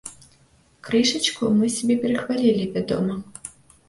Крышачку мы сябе перахвалілі, вядома.